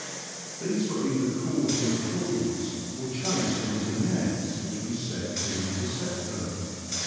These were either caught in the pools, or chased into nets which we set to intercept them.